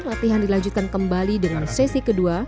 latihan dilanjutkan kembali dengan sesi kedua